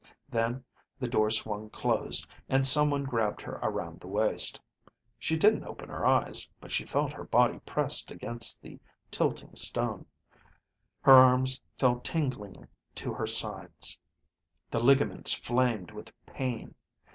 Then the door swung closed, and someone grabbed her around the waist. She didn't open her eyes, but felt her body pressed against the tilting stone. Her arms fell tingling to her sides. The ligaments flamed with pain.